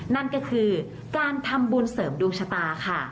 นั่นก็คือการทำบุญเสริมดวงชะตาค่ะ